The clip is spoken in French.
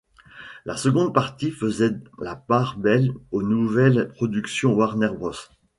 La seconde partie faisait la part belle aux nouvelles productions Warner Bros.